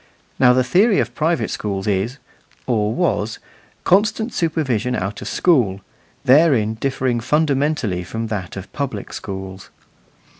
Now the theory of private schools is (or was) constant supervision out of school therein differing fundamentally from that of public schools.